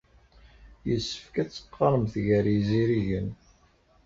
Yessefk ad teqqaremt gar yizirigen.